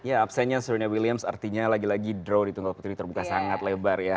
ya absennya surya williams artinya lagi lagi draw di tunggal putri terbuka sangat lebar ya